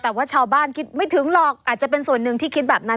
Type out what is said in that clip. แต่ว่าชาวบ้านคิดไม่ถึงหรอกอาจจะเป็นส่วนหนึ่งที่คิดแบบนั้น